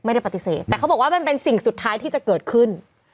ไม่ได้ปฏิเสธแต่เขาบอกว่ามันเป็นสิ่งสุดท้ายที่จะเกิดขึ้น